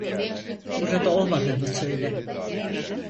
Burada olmadığımı söyle.